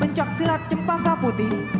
pencaksilat cempangka putih